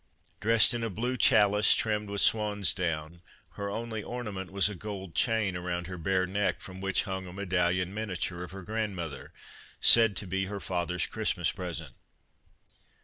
Dressed in a blue challis trimmed with swan's down, her only orna ment was a gold chain around her bare neck from which hung a medallion miniature of her grand mother, said to be her father's Christmas present.